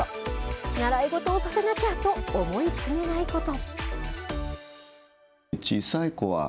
習い事をさせなきゃと思い詰めないこと。